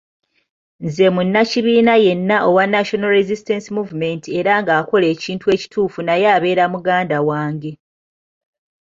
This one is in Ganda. Nze munnakibiina yenna owa National Resistance Movement era ng'akola ekintu ekituufu naye abeera muganda wange.